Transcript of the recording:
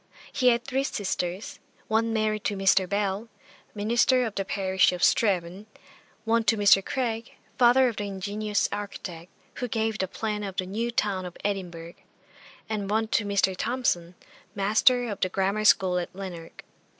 He had three sisters, one married to Mr. Bell, minister of the parish of Strathaven; one to Mr. Craig, father of the ingenious architect, who gave the plan of the New Town of Edinburgh; and one to Mr. Thomson, master of the grammar school at Lanark.